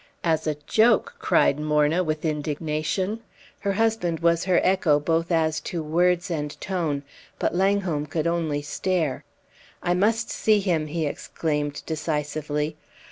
"As a joke!" cried Morna, with indignation; her husband was her echo both as to words and tone; but Langholm could only stare. "I must see him," he exclaimed, decisively.